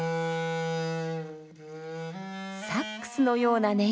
サックスのような音色。